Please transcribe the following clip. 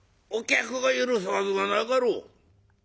客が許すはずがなかろう。